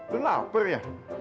lu lapar ya